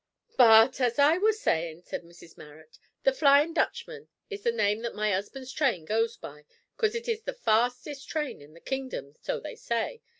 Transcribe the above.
"But, as I was sayin'," continued Mrs Marrot, "the Flyin' Dutchman is the name that my 'usband's train goes by, 'cause it is the fastest train in the kingdom so they say.